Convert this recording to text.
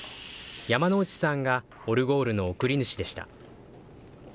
山之内さんがオルゴールの贈り主でした。